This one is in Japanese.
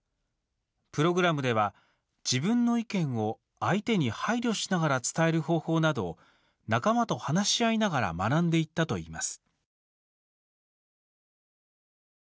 プログラムでは、自分の意見を相手に配慮しながら伝える方法などを仲間と話し合いながら学んでいったといいます。